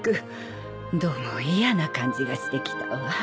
どうも嫌な感じがしてきたわ。